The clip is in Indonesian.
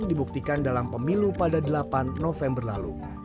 dibuktikan dalam pemilu pada delapan november lalu